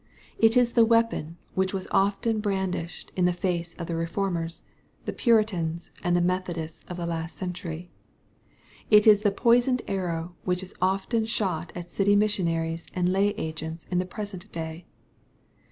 It is the weapon which was often brandished in the face of the Eeformers, the Puritans, and the Methodists of the last century. It is the poisoned arrow which is often shot at city missionaries and lay agents in the present day.